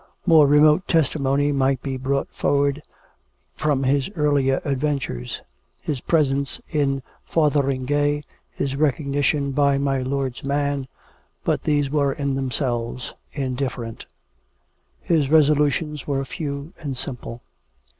More remote testimony might be brought forward from his earlier ad 436 COME RACK! COME ROPE! ventures — his presence at Fotheringay, his recognition by my lord's man. But these were, in themselves, indiffer ent. His resolutions were few and simple.